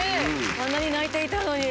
あんなに泣いていたのに。